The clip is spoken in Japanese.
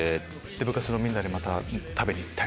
部活のみんなで食べに行ったり。